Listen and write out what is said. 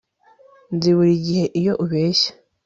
Nzi buri gihe iyo ubeshya